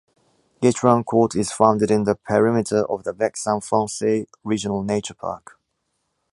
Guitrancourt is found in the perimeter of the Vexin Francais Regional Nature Park.